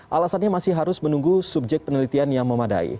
alasannya masih harus menunggu subjek penelitian yang memadai